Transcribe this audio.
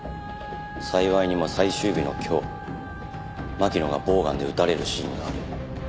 幸いにも最終日の今日巻乃がボウガンで撃たれるシーンがある。